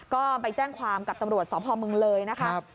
ก็ไปแจ้งความกับตำรวจสอบภอมเมืองเลยนะครับ